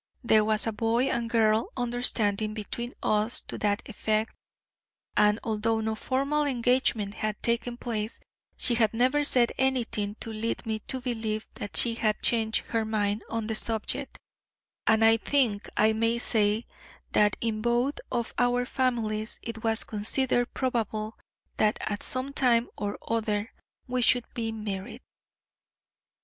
There was a boy and girl understanding between us to that effect, and although no formal engagement had taken place, she had never said anything to lead me to believe that she had changed her mind on the subject; and I think I may say that in both of our families it was considered probable that at some time or other we should be married.